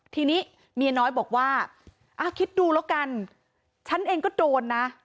ทีนี้เมียน้อยบอกว่าคิดดูแล้วกันฉันเองก็โดนนะ